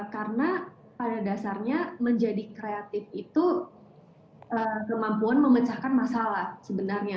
karena pada dasarnya menjadi kreatif itu kemampuan memecahkan masalah sebenarnya